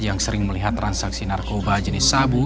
yang sering melihat transaksi narkoba jenis sabu